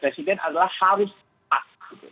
presiden adalah harus cepat